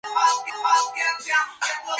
En la pequeña recta final.